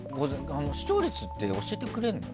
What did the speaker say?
視聴率って教えてくれるの？